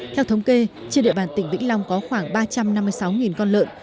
theo thống kê trên địa bàn tỉnh vĩnh long có khoảng ba trăm năm mươi sáu con lợn